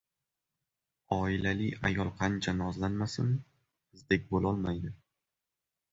• Oilali ayol qancha nozlanmasin, qizdek bo‘lolmaydi.